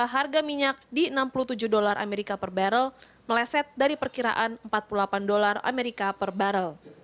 harga minyak di rp enam puluh tujuh per barrel meleset dari rp empat puluh delapan per barrel